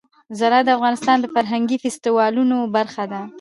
زراعت د افغانستان د فرهنګي فستیوالونو برخه ده.